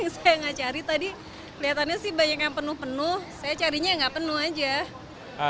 saya nggak cari tadi kelihatannya sih banyak yang penuh penuh saya carinya nggak penuh aja